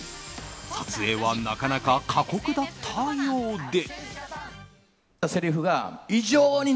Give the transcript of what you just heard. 撮影はなかなか過酷だったようで。